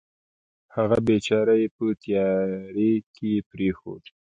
هغه بېچاره یې په تیارې کې پرېښود.